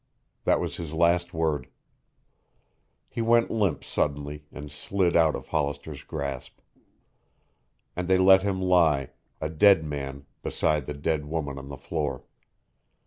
That was his last word. He went limp suddenly and slid out of Hollister's grasp. And they let him lie, a dead man beside the dead woman on the floor.